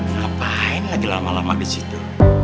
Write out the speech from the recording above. ngapain lagi lama lama di situ